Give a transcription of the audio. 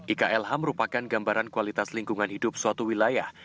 iklh merupakan gambaran kualitas lingkungan hidup suatu wilayah